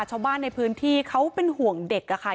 ชาวบ้านในพื้นที่เขาเป็นห่วงเด็กค่ะ